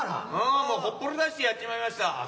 もうほっぽりだしてやっちまいました。